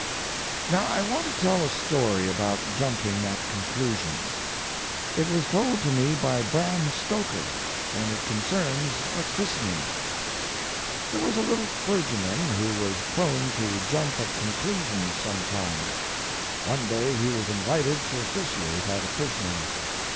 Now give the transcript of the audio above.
Now I want to tell a story about jumping at conclusions. It was told to me by Bram Stoker, and it concerns a christening. There was a little clergyman who was prone to jump at conclusions sometimes. One day he was invited to officiate at a christening.